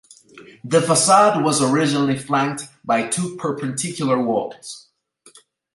The facade was originally flanked by two perpendicular walls.